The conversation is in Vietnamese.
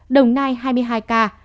đồng nai hai mươi hai ca